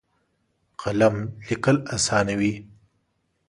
قلم لیکل اسانوي.